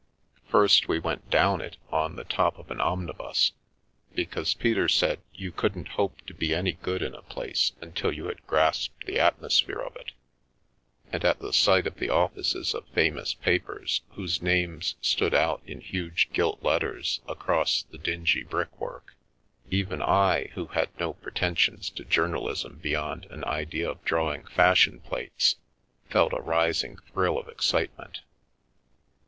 First we went down it on the top of an omnibus, be cause Peter said you couldn't hope to be any good in a place until you had grasped the atmosphere of it; and at the sight of the offices of famous papers whose names stood out in huge gilt letters across the dingy brickwork, even I, who had no pretensions to journalism beyond an idea of drawing fashion plates, felt a rising thrill of excitement.